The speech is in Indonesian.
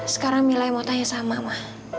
sekarang mila yang mau tanya sama ma